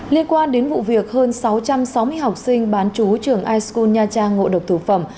liên quan đến vụ việc hơn sáu trăm sáu mươi học sinh bán chú trường ischu nha trang ngộ độc thực phẩm